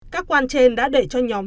các quan trên đã để cho nhóm